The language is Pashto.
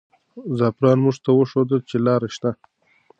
زعفران موږ ته وښودل چې لاره شته.